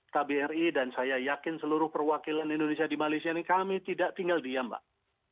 kbri dan saya yakin seluruh perwakilan indonesia di malaysia ini kami tidak tinggal diam mbak